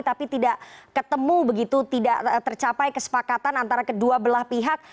tapi tidak ketemu begitu tidak tercapai kesepakatan antara kedua belah pihak